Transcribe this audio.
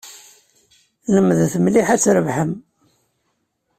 Lemdet mliḥ ad trebḥem.